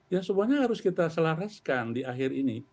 ya semuanya harus kita selaraskan di akhir ini